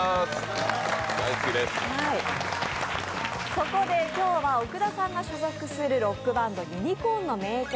そこで今日は奥田さんが所属するロックバンド、ユニコーンの名曲